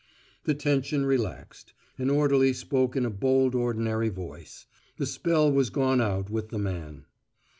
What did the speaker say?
The tension relaxed. An orderly spoke in a bold ordinary voice. The spell was gone out with the man.